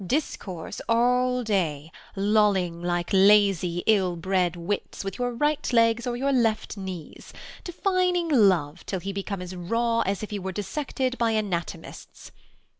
Discourse all day, lolling like lazy ill Bred wits, with your right legs o'er your left knees : Defining love, till he become as raw As if he were dissected by anatomists.